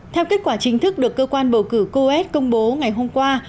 theo kết quả chính thức được cơ quan bầu cử coet công bố ngày hôm qua